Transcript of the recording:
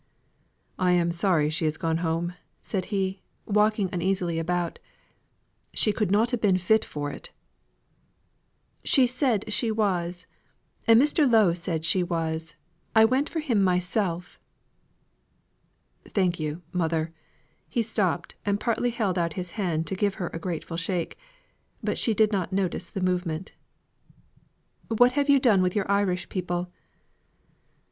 "I am sorry she has gone home," said he, walking uneasily about. "She could not have been fit for it." "She said she was; and Mr. Lowe said she was. I went for him myself." "Thank you, mother." He stopped, and partly held out his hand to give her a grateful shake. But she did not notice the movement. "What have you done with your Irish people?"